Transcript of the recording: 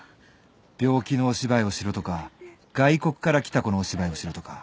病気のお芝居をしろとか外国から来た子のお芝居をしろとか。